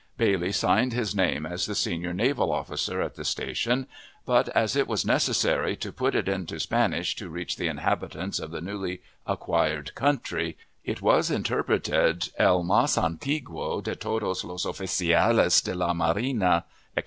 Bailey signed his name as the senior naval officer at the station, but, as it was necessary to put it into Spanish to reach the inhabitants of the newly acquired country, it was interpreted, "El mas antiguo de todos los oficiales de la marina," etc.